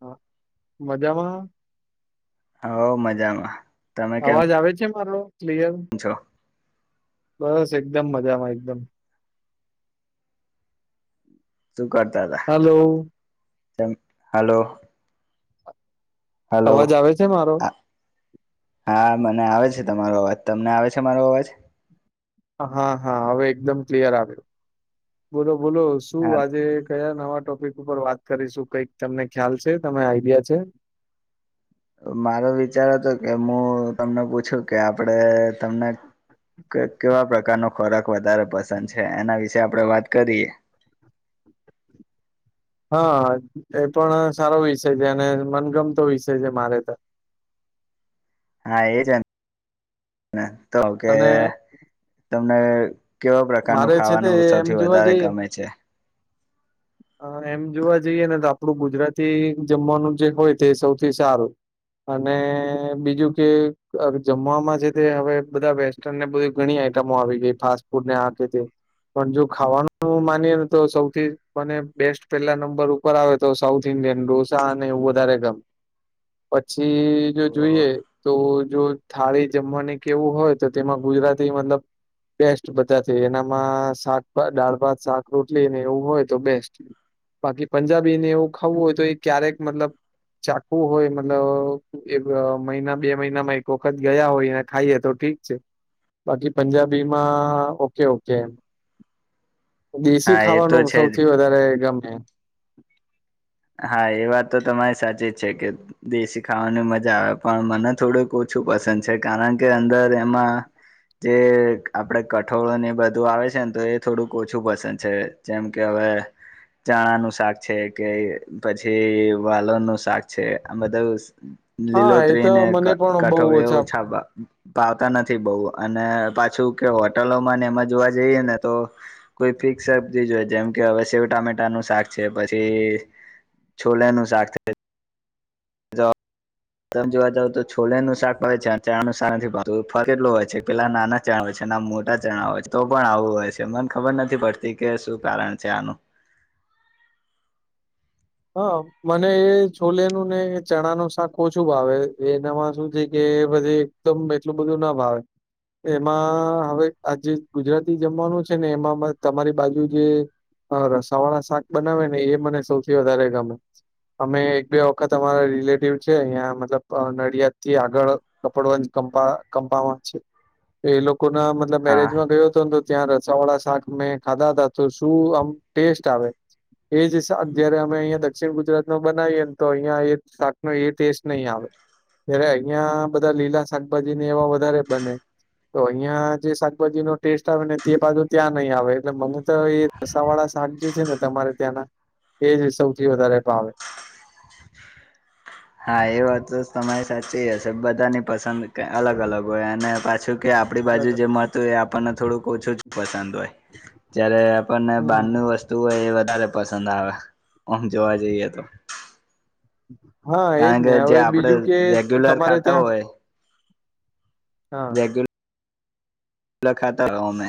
હા મજામાં હોવ મજામાં તમે કેમ અવાજ આવે છે, મારો ક્લિયર છો બસ એકદમ મજામાં એકદમ શૂ કરતા હતા હલો હલો અવાજ હલો આવે છે મારો હ હા મને આવે છે, તમારો અવાજ તમને આવે છે, મારો અવાજ હા હા હવે એકદમ ક્લિયર આવ્યો બોલો બોલો શું હા આજે કયા નવા ટોપિક ઉપર વાત કરીશું કઈક તમને ખ્યાલ છે તમે આઈડિયા છે, મારો વિચાર હતો કે હું તમને પૂછું કે આપડે તમને કે કેવા પ્રકાર નો ખોરાક વધારે પસંદ છે, એના વિશે આપણે વાત કરીએ હ એ પણ સારો વિષય છે અને મનગમતો વિષય છે મારે તો. હા એ [unintelligible] તો કે અને તમને કેવા પ્રકારનું મારે છે તે ખાવાનું એમ સૌથી જોવા વધારે ગમે છે. અહ એમ જોવા જઈએ ને તો આપડું ગુજરાતી જમવાનું જે હોય તે સૌથી સારું. અને બીજું કે અહ જમવાવામાં છે તે હવે બધા વે સ્ટર્ન ને બધી ઘણી આઈટમો આવી ગઈ ફાસ્ટ ફૂડને આ કે તે. પણ જો ખાવાનું માનીએ ને તો સૌથી પને બેસ્ટ પેલા નંબર ઉપર આવે તો સાઉથ ઇન્ડિયન ઢોસા અને એવું વધારે ગ પછી જો ઓહો જોઈએ તો જો થાળી જમવાની કે એવું હોય તો તેમાં ગુજરાતી મતલબ બેસ્ટ બધાથી એનામાં શાકભા દાળ-ભાત, શાક રોટલીને એવું હોય તો બેસ્ટ બાકી પંજાબીને એવું ખાવું હોય તો એ ક્યારેક મતલબ ચાખવુ હોય મતલબ એક મહિના બે મહિનામાં એક વખત ગયા હોય ખાઈએ તો ઠીક છે, બાકી પંજાબીમાં ઓકે ઓકે એમ. દેશી હા એ તો ખાવાનું છે જ સૌથી વધારે ગમે. હા, એ વાત તો તમારી સાચી જ છે કે દેશી ખાવાની મજા આવે પણ મને થોડુંક ઓછું પસંદ છે કારણ કે અંદર એમાં જે આપડે કઠોળો ને બધું આવે છેન તો એ થોડુંક ઓછું પસંદ છે, જેમ કે હવે ચણાનું શાક છે કે પછી વાલોનું શાક છે આ બધું હા એ લીલોતરી તો ને મને પણ બહુ ક-કઠોળ એવું ઓછા ભાવતા નથી બવું અને પાછું કે હોટલોમાં ને એમાં જોવા જઈએ ને તો કોઈ ફિક્સ સબ્જી જ હોય જેમ કે હવે શેવ ટામેટાનું શાક છે પછી છોલે નું શાક [inaudible] તો તમે જોવા જાવ તો છોલેનું શાક ભાવ છે અન ચણાનું શાક નથી ભાવતું. ફર્ક એટલો હોય છે પેલા નાના ચણા હોય છે અન આ મોટા ચણા હોય તો પણ આવું હોય છે મને ખબર નથી પડ તી કે શું કારણ છે આનું. હા, મને એ છોલેનું ને એ ચણાનું શાક ઓછું ભાવે એનામાં શું છે કે બધી એ કદમ એટલું બધું ના ભાવે. એમાં હવે આ જે ગુજરાતી જમવાનું છે ને એમાં તમારી બાજુ જે અ રસાવાળા શાક બનાવેને એ મને સૌથી વધારે ગમે. અમે એક-બે વખત અમારા રિલેટિવ છે અહીંયા મતલબ નડિયાદથી આગળ કપડવંજ કંપા-કંપાવન છે એ લોકોના મતલબ હા મેરેજમાં ગયો તોન તો ત્યાં રસા વાળા શાક મેં ખાધા હતા તો શું આમ ટેસ્ટ આવે, એજ શાક જયારે અમે અહિયા દક્ષિણ ગુજરાતમાં બનાવીએન તો અહિયાં એજ શાક નો એ ટેસ્ટ નહી આવે જ્યારે અહિયાં બધા લીલા શાકભાજીને એવા વધારે બને તો અહિયાં જે શાકભાજીનો ટેસ્ટ આવે ને તે બાજુ ત્યાં નહીં આવે એટલે મને તો એ રસા વાળા શાક જે છે ને તમારે ત્યાંના એજ સૌથી વધારે ભાવે. હા, એ વાત તો તમારી સાચી હશે બધાની પસંદ અલગ અલગ હોય અને પાછું કે આપડી બાજુ જે મળતું હોય એ આપણને થોડુંક ઓછું જ પસંદ હોય. જ્યારે આપણને હમ બારનું વસ્તુ હોય એ વધારે પસંદ આવ, ઓમ જોવા જઈએ તો. હા, એજ કારણ કે ને. જે હવે આપણે બીજું કે રેગ્યુલર તમારે ખાતા ત્યાં હોય હા. લખાતા [inaudible] ઓમે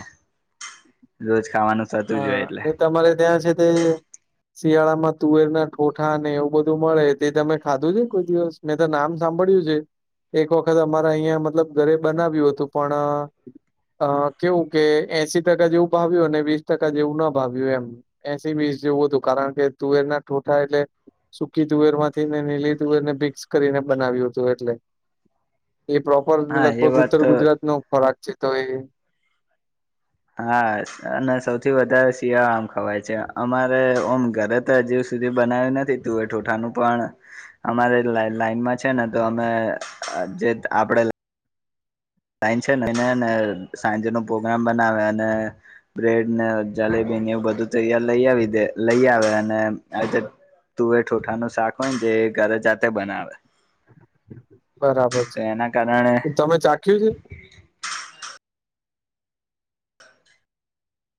રોજ ખાવાનું થતું જ હા, હોય એટલે ને તમારે ત્યાં છે તે [inaudible] શિયાળામાં તુવેરનાં ઠોઠા ને એવું બધું મળે તે તમે ખાધું છે કોઈ દિવસ? મેં તો નામ સાંભળ્યું છે. એક વખત અમારે અહિયાં મતલબ ઘરે બનાવ્યું હતું પણ ‌‌ અ કેવું કે એસી ટકા જેવું ભાવ્યું અને વીસ ટકા જેવું ન ભાવ્યું એમ એસી-વિસ જેવું હતું કારણ કે તુવેર ના ઠુંઠા એટલે સુકી તુવેર માંથી ને લીલી તુવેરને મિક્સ કરીને બનાવ્યું હતું એટલે એ પ્રોપર હા એ લગભગ વાત ઉત્તર તો ગુજરાતનો ખોરાક છે તો એ હા અને સૌથી વધારે શિયાળામા ખવાય છે અમારે ઓમ ઘરે હજી સુધી બનાવ્યું નથી તુંવેર-ઠુઠાનું પણ અમારી લાઈનમાં છે ને તો અમે જે આપડે સાયન છે ને એને સાંજનો પ્રોગ્રામ બનાવે અને બ્રેડ ને જલેબી ને એવું બધું તૈયાર લઈ આવી દે લઈ આવે અને તુવેર-ઠુંઠાનું શાક હોય ને જે ઘરે જાતે બનાવે. બરાબર તો એના કારણે છે તમે ચાખ્યુ છે?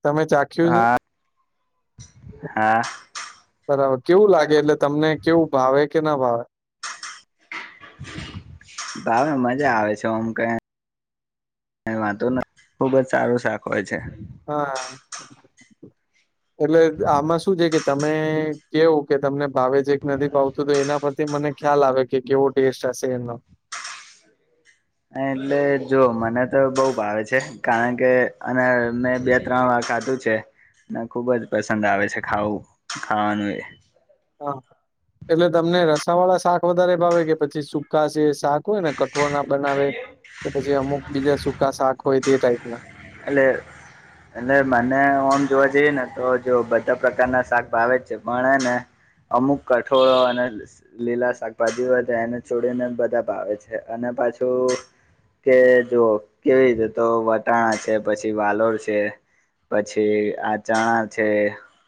તમે ચાખ્યુ છે? હા હા બરાબર કેવુ લાગે એટલે તમને કેવુ ભાવે કે ના ભાવે? ભાવે મજા આવે છે ઓમ કઈ કઈ વાંધો નથ ખુબ જ સારું શાક હોય છે. હાઅ [inaudible] એટલે આમાં શું છે કે તમે કેવો કે તમને ભાવે છેકે નથી ભાવતું તો એના પરથી મને ખ્યાલ આવે કે કેવો ટેસ્ટ હશે એનો હ એટલે જો મને તો બઉ ભાવે છે. કારણ કે અને મેં બે ત્રણ વાર ખાધું છે. અને ખુબ જ પસંદ આવે છે ખાવું ખાવાનું એ. હા એટલે તમને રસા વાળા શાક વધારે ભાવે કે પછી સુકા જે શાક હોય ને કઠોળ ના બનાવે. તો પછી અમુક બીજા સૂકા શાક હોય તે ટાઈપ ના. એટલે એટલે મને ઓમ જોવા જઈએ ને તો જો બધા પ્રકારના શાક ભાવે જ છે પણ હેને અમુક કઠોળો અને લીલા શાકભાજી હોય તો એને છોડીને બધા ભાવે છે અને પાછું કે જો કેવી છે તો વટાણા છે પછી વાલોર છે પછી આ ચણા છે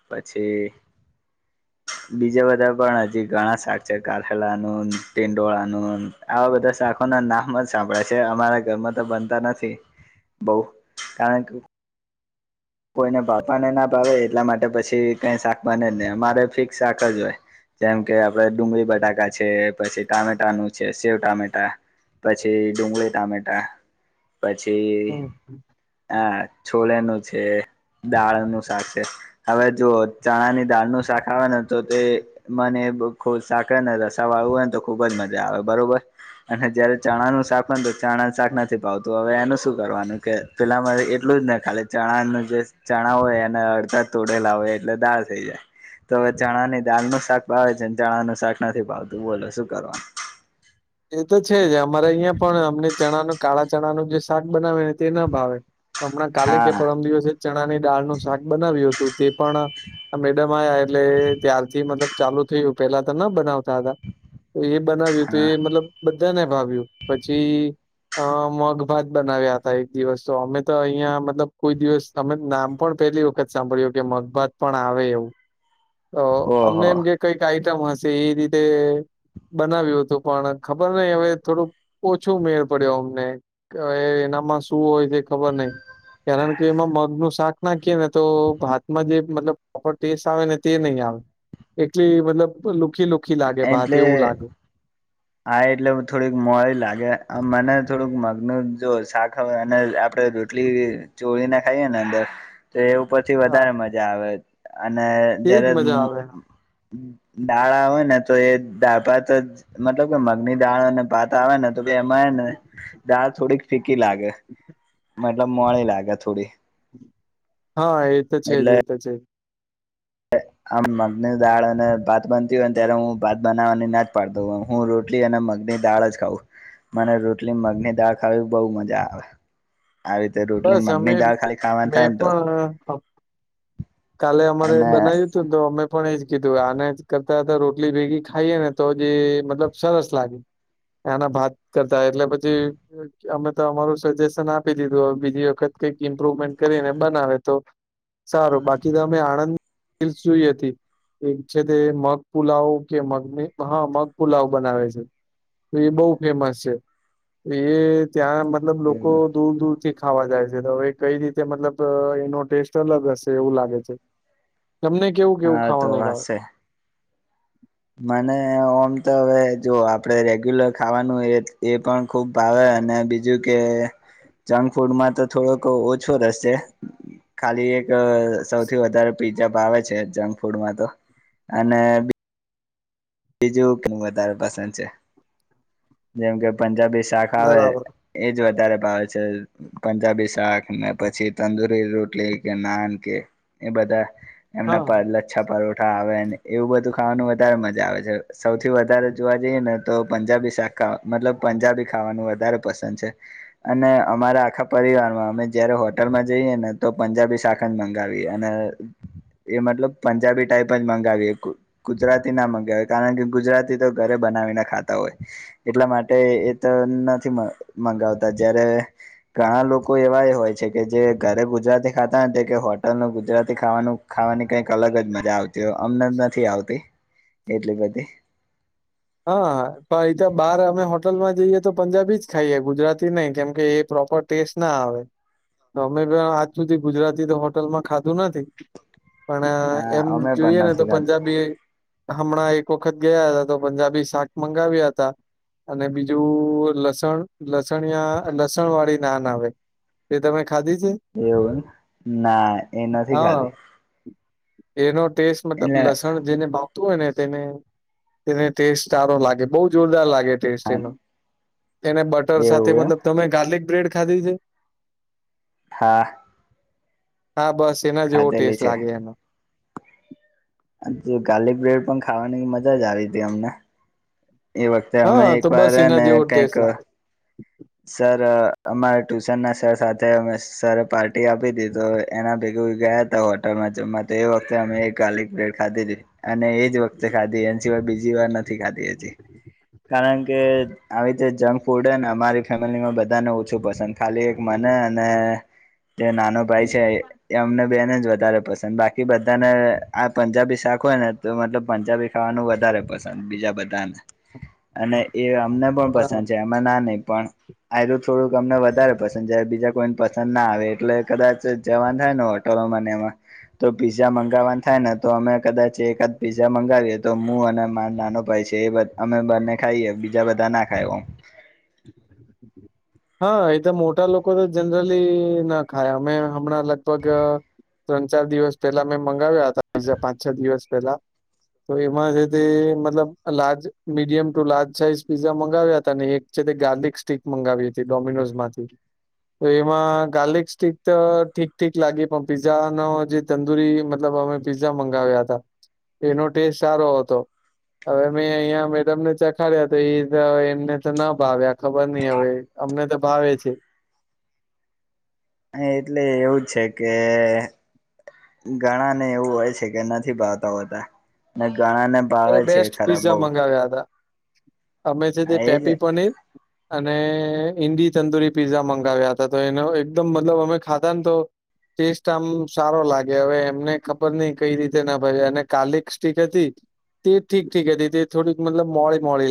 પછી બીજા બધા પણ હજી ઘણા શાક છે કાળેલાનુંન ટીંડોળાનુંન આવા બધા સાકો ના નામ જ સાંભળાય છે અમારા ઘરમાં તો બનતા નથી બહુ. કારણ કે. કોઈને ભાવતાનેના ભાવે એટલા માટે પછી કઈ શાક બને જ નહી અમારે ફિક્સ શાક જ હોય. જેમ કે આપડે ડુંગળી બટાકા છે. પછી ટામેટા નું છે. સેવ ટામેટા. પછી ડુંગળી ટામેટા. પછી હમ. આ છોલેેનું છે. દાળનું શાક છે હવે જો ચણાની દાળનું શાક આવે ને તો તે. મને સાક ને રસા વાળું હોય ને તો ખુબ જ મજા આવે બરોબર. અને જયારે ચણાનું શાક હોય તો, ચણા શાક નથી ભાવતું હવે એનું શું કરવાનું કે. પેલા મરે એટલું જ ને ખાલી. ચણા નુ જે ચણા હોય એને અડધા તોડેલા હોય એટલે દાળ થઈ જાય. તો હવે ચણા ની દાલ નુ શાક ભાવે છે ચણા નુ શાક નથી ભાવતું બોલો શું કરવાનું. એ તો છે જ અમારે અહીંયા પણ અમને ચણા નુ કાળા ચણા નુ જે શાક બનાવે ને તે ના ભાવે. હમણાં કાલે કે હા પરમ દિવસે ચણા ની દાળનું શાક બનાવ્યું હતું તે પણ આ મેડમ આયા એટલે ત્યારથી મતલબ ચાલુ થયું પેલા તો ના બનાવતા હતા તો એ બનાવ્યું તો એ હા મતલબ બધાને ભાવ્યું પછી અ મગ ભાત બનાવ્યા હતા એક દિવસ તો અમે તો અહિયાં મતલબ કોઈ દિવસ અમે નામ પણ પેલી વખત સાંભળ્યું કે મગભાત પણ આવે એવું તો અમને ઓહો એમ કે કઈક આઈટમ હશે એ રીતે બનાવ્યું હતું પણ ખબર નઈ હવે થોડુંક ઓછો મેર પડ્યો અમને અ એનામાં શું હોય. એ ખબર નય કારણ કે એમાં મગ નું શાક ના કે ને તો ભાતમાં જે મતલબ પ્રોપર ટેસ્ટ આવે ને તે નહીં આવ એટલી મતલબ લુખી લુખી લાગે ભાત એટલે એવું લાગે. હા એટલે થોડીક મોડી લાગે આ મને થોડુંક મગનુ જો શાક હવે અને આપડે રોટલી ચોળી ને ખાઈએ ને અંદર તો એ ઉપરથી હા વધારે મજા આવે અને એજ જ્યારે મજા આવે દાળ આવે ને તો એ દાળ ભાંતજ મતલબ કે મગની દાળ અને ભાત આવે ને તો બે એમાં હેને દાળ થોડીક ફીકી લાગે મતલબ મોળી લાગે થોડી હા એ તો છે જ એટલે એ તો છે. આમ મગની દાળ અને ભાત બનતી હોય ને ત્યારે હું ભાત બનાવવાની ના જ પાડતો હોઉ. હું રોટલી અને મગની દાળ જ ખાઉં મને રોટલી મગની દાળ ખાવી બઉ મજા આવે. આવી રીતે રોટલી મગની દાળ ખાલી ખાવાની થાય ને તો હા કાલે અમારે અને બનાવ્યું તો દો અમે પણ એજ કીધું આને કરતા તા રોટલી ભેગી ખાઈએ ને તો જે મતલબ સરસ લાગે. એના ભાત કરતા એટલે પછી અમે તો અમારું સજેશન આપી દીધું હવે બીજી વખત કઈક ઈમ્પ્રુવમેન્ટ કરીને બનાવે તો સારું બાકી તો અમે આણંદ કી સુઈ હતી. એક છે તે મગ પુલાવ કે મગને હા મગ પુલાવ બનાવે છે. તો એ બહુ ફેમસ છે એ ત્યાં મતલબ લોકો દૂર દૂર થી ખાવા જાય છે તો હવે કઈ રીતે મતલબ એનો ટેસ્ટ અલગ હશે એવું લાગે છે. તમને કેવું કેવું હા તો ખાવાનું ભાવે હશે મને ઓમ તો હવે જો આપડે રેગ્યુલર ખાવાનું એ એ પણ ખુબ ભાવે અને બીજું કે. જંક ફૂડમાં તો થોડોક ઓછો રેશે ખાલી એક સૌથી વધારે પીઝાા ભાંવે છે જંક ફૂડમાં તો અને બીજું કે વધારે પસંદ છે જેમ કે પંજાબી શાક આવે બરાબર એજ વધારે ભાવે છે. પંજાબી શાક ને પછી તંદુરી રોટલી કે નાન કે એ બધા એમના હા પર લચ્છા પરોઠા આવેને એવું બધું ખાવાનું વધારે મજા આવે છે. સૌવથી વધારે જોવા જઈએ ને તો પંજાબી શાક ખા મતલબ પંજાબી ખાવાનું વધારે પસંદ છે. અને અમારા આખા પરિવાર માં અમે જયારે હોટલ માં જઈએ ને તો પંજાબી શાક કન મંગાવી અને એ મતલબ પંજાબી ટાઈપ જ મગાવી ગુ ગુજરાતી ના મગાવી કારણ કે ગુજરાતી તો ઘરે બનાવીને ખાતા હોય એટલા માટે એ તો નથી મ મગાવતા જય્યારે ઘણા લોકો એવા ય હોય છે કે જે ઘરે ગુજરાતી ખાતા હોય ને કે હોટલ નું ગુજરાતી ખાવાનું ખાવાની કંઈક અલગ જ મજા આવતી હોય અમને નથી આવતી એટલી બધી હા હ પણ એ તો બાર અમે હોટલમાં જઈએ તો પંજાબી જ ખાઈએ ગુજરાતી નહી કેમકે એ પ્રોપર ટેસ્ટ ના આવે તો અમે આજ સુધી ગુજરાતી તો હોટલ માં ખાધું નથી પણ હા એમ અમે જોઈ પણ એને તો નથી ખાતું પંજાબી હમણાં એક વખત ગયા હતા તો પંજાબી શાક મંગાવ્યા હતા અને બીજું લસણ લસણયા લસણ વાળી નાન આવે તે તમે ખાધી છે? એવું ના એ નથી હા ખાધી એનો ટેસ્ટ મતલબ એટલે લસણ જેને ભાવતું હોય ને તેને એને ટેસ્ટ સારો લાગે બહુ જોરદાર લાગે ટેસ્ટ એનો એને બટર સાથે એવું એમ મતલબ તમે ગાર્લિક બ્રેડ ખાધી છે હા હા બસ એના જ જેવો ખાધેલી ટેસ્ટ છે લાગે એનો ગાર્લિક બ્રેડ પણ ખાવાની મજા જ આવી તી અમને એ વખતે અમે હા એક તો વાર બસ એના હેને જેવો કઈક ટેસ્ટ લાગે સર અમારા ટ્યુશનના સર સાથે અમે સરે પાર્ટી આપી હતી તો એના ભેગુ ગયા હોટલમાં જમવા તો એ વખતે અમે એક ગારલીક બ્રેડ ખાધી હતી અને એજ વખતે ખાધી એ સિવાય બીજી વાર નથી ખાધી હજી કારણ કે આવી રીતે જંક ફૂડને અમારી ફેમિલી મા બધાને ઓછું પસંદ ખાલી એક મને અને જે નાનો ભાઈ છે એ અમને બેને જ વધારે પસંદ બાકી બધાને આ પંજાબી શાક હોય ને તો મતલબ પંજાબી ખાવાનું વધારે પસંદ બીજા બધાને અને એ અમને પણ પસંદ બરાબર. છે એમાં ના નહી પણ આયરુ થોડુંક અમને વધારે પસંદ છે બીજા કોઈને પસંદ ના આવે એટલે કદાચ જવાનું થાય ને હોટલોમાંને એમાં તો પીઝા મંગાવવા થાય ને તો અમે કદાચ એકાદ પીઝા મંગાવીએ તો હું અને મારો નાનો ભાઈ છે એ અમે બને ખાઈએ બીજા બધા ના ખાય હા એ તો મોટા લોકો તો જનરલી ના ખાય અમે હમણાં લગભગ ત્રણ ચાર દિવસ પેલા મેં મંગાવ્યા હતા પીઝા પાંચ છ દિવસ પહેલા તો એમાં જે તે મતલબ large medium to large size pizza મંગાવ્યા હતા ને એક છે તે ગાર્લિક સ્ટીક મંગાવી હતી ડોમિનોઝ માંથી તો એમાં ગાર્લિક સ્ટીક તો ઠીક ઠીક લાગી પણ પીઝા નો જે તંદુરી મતલબ અમે પીઝા મંગાવ્યા હતા તેનો ટેસ્ટ સારો હતો હવે મેં અહીયા મેડમને ચખાડ્યા તો એ એમને તો ના ભાવ્યા ખબર નઈ હવે અમને તો ભાવે છે અ એટલે એવું છે કે ઘણા ને એવું હોય છે કે નથી ભાવતા હોતા ને ઘણા ને ભાવે છે ખરાબ બઉ તા અમે છે તે એજ પેપી પો નઈ અને ઈન્ડી તંદુરી પીઝા મંગાવ્યા હતા તો એનો એકદમ મતલબ અમે ખાતાા ને તો ટેસ્ટ આમ સારો લાગે હવે એમને ખબર નઈ કઈ રીતે ના ભાવે અને ગારલીક સ્ટીક હતી તે ઠીક ઠીક હતી તે થોડીક મતલબ મોળી મોળી